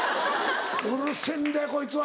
「うるせぇんだよこいつは」